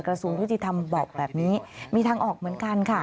กระทรวงยุติธรรมบอกแบบนี้มีทางออกเหมือนกันค่ะ